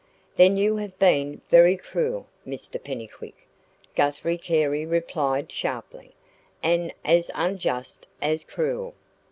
"Then you have been very cruel, Mr Pennycuick," Guthrie Carey replied sharply "and as unjust as cruel.